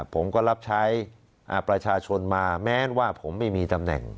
ผมก็รับใช้ประชาชนมาแม้ว่าผมไม่มีตำแหน่ง